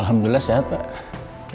alhamdulillah sehat pak